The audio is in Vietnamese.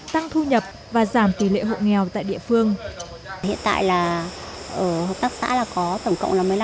tăng thu nhập và giảm tỷ lệ hộ nghèo tại địa phương